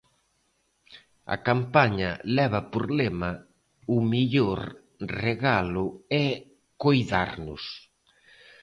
A campaña leva por lema "O mellor regalo é coidarnos".